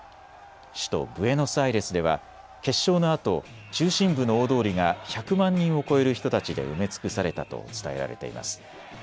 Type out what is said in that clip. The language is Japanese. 首都ブエノスアイレスでは決勝のあと、中心部の大通りが１００万人を超える人たちで埋め尽くされたと伝えられています。